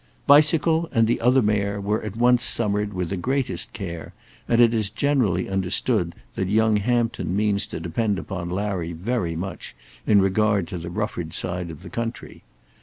"Bicycle" and the other mare were at once summered with the greatest care, and it is generally understood that young Hampton means to depend upon Larry very much in regard to the Rufford side of the country.